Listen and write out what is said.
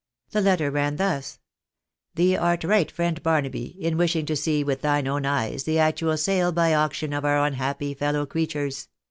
The letter ran thus :— "Thee art right, friend Barnaby, in wishing to see with thine own eyes the actual sale by auction of our unhappy fellow creatures.